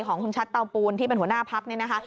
ของคุณชัดเตาปูนที่เป็นหัวหน้าพักนี่นะคะ